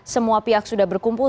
semua pihak sudah berkumpul